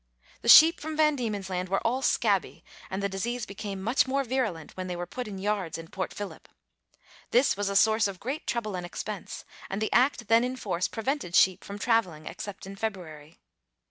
The sheep from Van Diemen's Land were all scabby, and the disease became much more virulent when they were put in yards in Port Phillip. This was a source of great trouble and expense, and the Act then in force prevented sheep from travelling except in February.